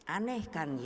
aneh kan ya